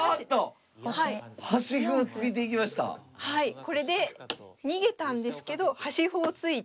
これで逃げたんですけど端歩を突いて。